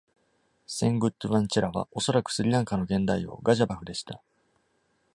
Senguttuvan Chera はおそらくスリランカの現代王ガジャバフでした。